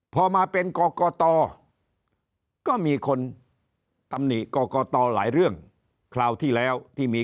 พอมาเป็นกรกตก็มีคนตำหนิกรกตหลายเรื่องคราวที่แล้วที่มี